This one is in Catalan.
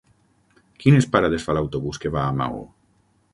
Quines parades fa l'autobús que va a Maó?